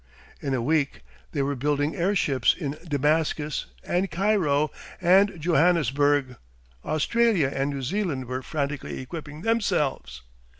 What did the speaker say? In a week they were building airships in Damascus and Cairo and Johannesburg; Australia and New Zealand were frantically equipping themselves.